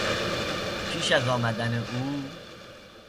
پیش از آمدن او